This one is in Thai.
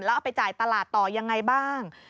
แล้วเอาไปจ่ายตลาดต่อยังไงบ้าง